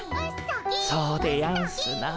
そうでやんすなあ。